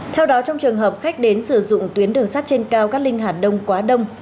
theo đó trong trường hợp khách đến sử dụng tuyến đường sắt trên cao cát linh hà đông quá đông